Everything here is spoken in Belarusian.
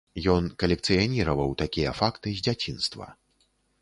Ён калекцыяніраваў такія факты з дзяцінства.